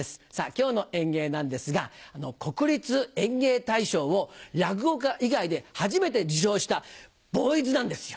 今日の演芸なんですが国立演芸大賞を落語家以外で初めて受賞したボーイズなんですよ。